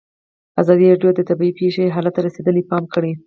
ازادي راډیو د طبیعي پېښې حالت ته رسېدلي پام کړی.